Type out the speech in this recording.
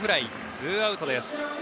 ツーアウトです。